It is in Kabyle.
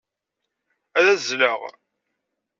Ad azzleɣ.